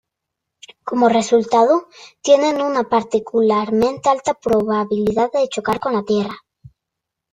Como resultado, tienen una particularmente alta probabilidad de chocar con la Tierra.